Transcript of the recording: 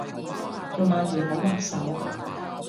條鰻魚好滑手